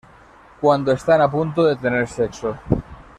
Cuando están a punto de tener sexo.